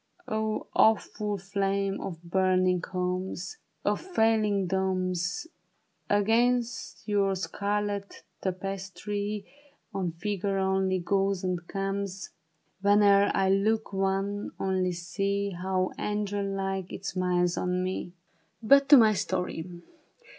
O awful flame of burning homes ! Of falling domes ! Against your scarlet tapestry, One figure only goes and comes Whene'er I look, one only, see How angel like it smiles on me ! THE BARRICADE. But to my story.